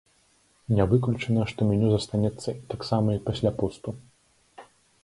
Не выключана, што меню застанецца таксама і пасля посту.